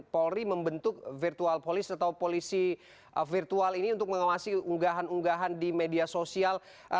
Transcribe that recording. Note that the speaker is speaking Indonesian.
polri membentuk virtual police atau polisi virtual ini untuk mengawasi unggahan unggahan di media sosial